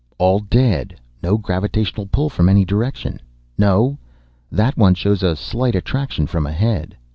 "All dead! No gravitational pull from any direction no, that one shows a slight attraction from ahead!"